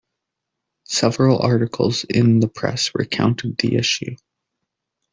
Several articles in the press recounted the issue.